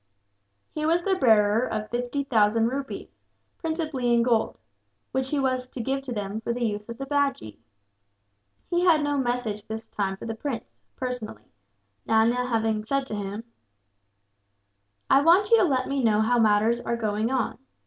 He was the bearer of fifty thousand rupees, principally in gold, which he was to give to them for the use of Bajee. He had no message this time for the prince, personally, Nana having said to him: "I want you to let me know how matters are going on.